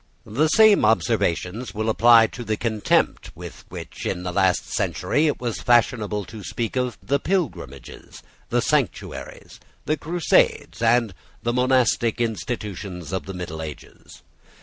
The same observations will apply to the contempt with which, in the last century, it was fashionable to speak of the pilgrimages, the sanctuaries, the crusades, and the monastic institutions of the middle ages.